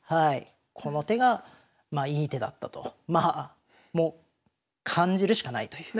この手がいい手だったともう感じるしかないという。